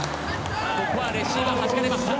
ここはレシーブがはじかれました。